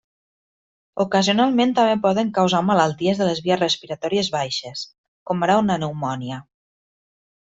Ocasionalment també poden causar malalties de les vies respiratòries baixes, com ara una pneumònia.